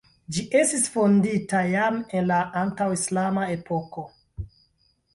Ĝi estis fondita jam en la antaŭ-islama epoko.